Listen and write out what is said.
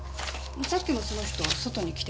さっきもその人外に来てて。